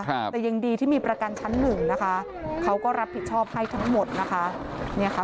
ครับแต่ยังดีที่มีประกันชั้นหนึ่งนะคะเขาก็รับผิดชอบให้ทั้งหมดนะคะเนี่ยค่ะ